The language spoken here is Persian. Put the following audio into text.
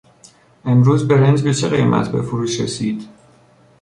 امروز برنج به چه قیمت به فروش رسید؟